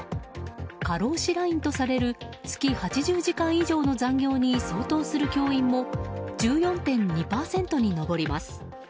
過労死ラインとされる月８０時間以上の残業に相当する教員も１４．２％に上ります。